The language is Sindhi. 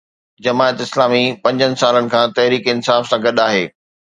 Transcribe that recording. جماعت اسلامي پنجن سالن کان تحريڪ انصاف سان گڏ آهي.